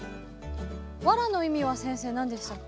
ワラの意味は先生何でしたっけ？